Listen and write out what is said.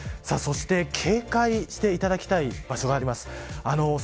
警戒していただきたい場所があります。